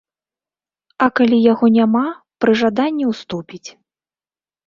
А калі яго няма, пры жаданні ўступіць.